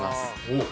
おっ。